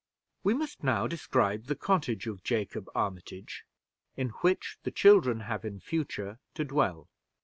We must now describe the cottage of Jacob Armitage, in which the children have in future to dwell.